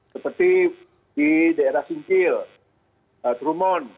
seperti di daerah singkil trumon